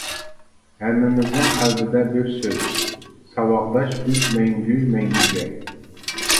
ھەممىمىزنىڭ قەلبىدە بىر سۆز، ساۋاقداش بىز مەڭگۈ مەڭگۈگە.